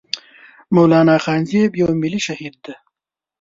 مولانا خانزيب يو ملي شهيد دی